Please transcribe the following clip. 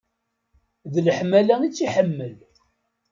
D leḥmala i tt-iḥemmel.